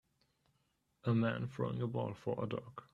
A man throwing a ball for a dog.